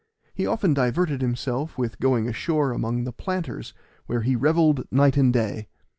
He often diverted himself with going ashore among the planters, where he revelled night and day.